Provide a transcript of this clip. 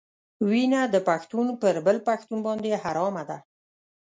وینه د پښتون پر بل پښتون باندې حرامه ده.